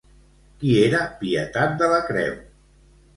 Qui era Pietat de la Creu?